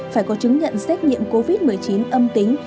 phải có chứng nhận xét nghiệm covid một mươi chín âm tính